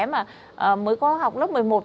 mới có học lớp một mươi một một mươi hai